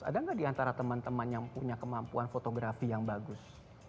ada enggak diantara teman teman yang punya kemampuan fotografi yang bagus